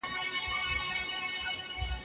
د روغتیا پالانو درناوی وکړئ.